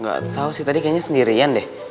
gak tau sih tadi kayaknya sendirian deh